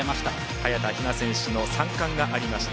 早田ひな選手の三冠がありました。